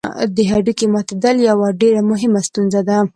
د هډوکي ماتېدل یوه ډېره مهمه ستونزه ده.